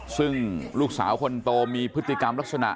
ซึ่งลูกสาวคนโตมีพฤติกรรมลักษณะ